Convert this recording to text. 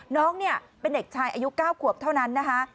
น้องเนี่ยเป็นเด็กชายอายุ๙ขวบเท่านั้นนะคะ